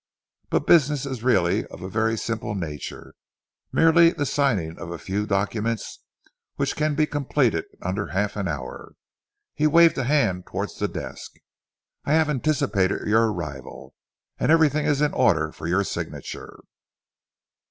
But business is really of a very simple nature, merely the signing of a few documents which can be completed in under half an hour." He waved a hand towards the desk. "I have anticipated your arrival, and everything is in order for your signature."